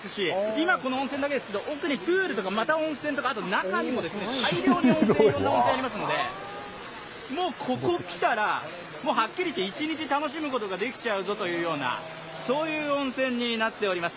今この温泉だけですけれども、奥にプールとか、また温泉とか中にも大量に温泉、いろんな温泉がありますのでもうここ来たら、はっきりいって１日楽しむことができちゃうぞというそういう温泉になっております。